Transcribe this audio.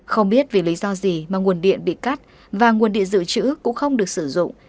không biết vì lý do gì mà nguồn điện bị cắt và nguồn điện dự trữ cũng không được sử dụng